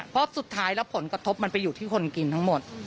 เพราะสุดท้ายแล้วผลกระทบมันไปอยู่ที่คนกินทั้งหมด